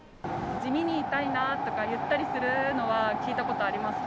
じみに痛いなとか言ったりするのは、聞いたことありますか？